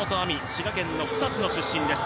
滋賀県の草津の出身です。